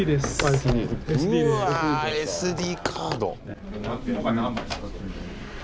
うわＳＤカード。